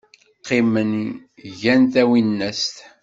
Qqimen, gan tawinest.